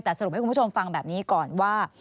แต่สรุปให้คุณผู้ชมฟังแบบนี้ก่อนว่า